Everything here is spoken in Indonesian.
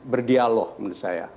berdialog menurut saya